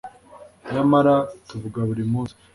nyamara tuvuga buri munsi